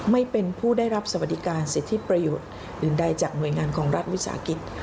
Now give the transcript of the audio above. ไม่เป็นผู้ได้รับสวัสดิการเศรษฐีประโยชน์อื่นใดจากหน่วยงานของรัฐวิทยาลัยศาสตร์กิจ